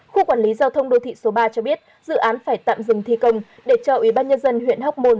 khu quản lý giao thông đô thị số ba cho biết dự án phải tạm dừng thi công để cho ủy ban nhân dân huyện hóc môn